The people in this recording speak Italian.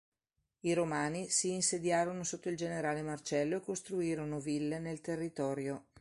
I Romani si insediarono sotto il generale Marcello e costruirono ville nel territorio.